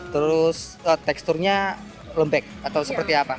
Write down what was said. terus teksturnya lembek atau seperti apa